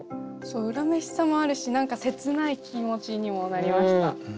恨めしさもあるし何か切ない気持ちにもなりました。